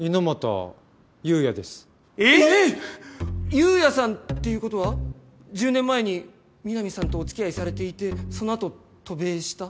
悠也さんっていうことは１０年前にみなみさんとお付き合いされていてそのあと渡米した？